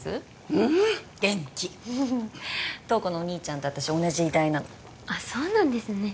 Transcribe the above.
うん元気瞳子のお兄ちゃんと私同じ医大なのあっそうなんですね